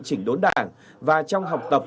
chỉnh đốn đảng và trong học tập